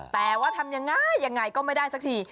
แต่ว่าทำอย่างง่ายก็ไม่ได้สักที